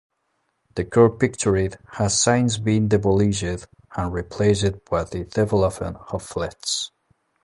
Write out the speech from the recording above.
The court pictured has since been demolished, and replaced with a development of flats.